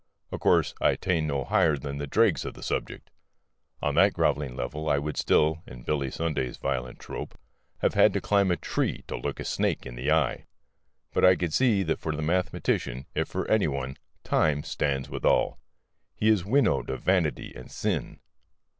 Of course I attained no higher than the dregs of the subject; on that grovelling level I would still (in Billy Sunday's violent trope) have had to climb a tree to look a snake in the eye; but I could see that for the mathematician, if for any one, Time stands still withal; he is winnowed of vanity and sin.